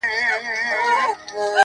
په ښارونو په دښتونو کي وړیا وه!.